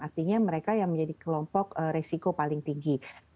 artinya mereka yang menjadi kelompok resiko paling tinggi